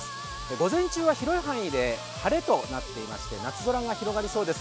午前中は広い範囲で晴れとなっていまして夏空が広がりそうです。